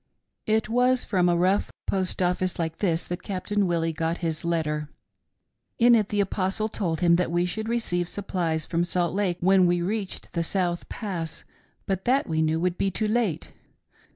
It was from a rough post office like this that Captain Willie got his letter. In it the Apostle told him that we should receive supplies from Salt Lake when we reached the South Pass ; but that we knew would be too late.